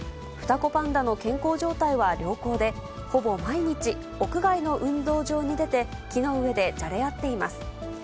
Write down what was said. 双子パンダの健康状態は良好で、ほぼ毎日、屋外の運動場に出て、木の上でじゃれ合っています。